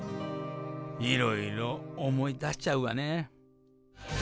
いろいろ思い出しちゃうわね。